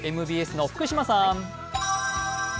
ＭＢＳの福島さん。